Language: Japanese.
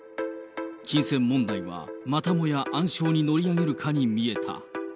金銭問題は、またもや暗礁に乗り上げるかに見えた。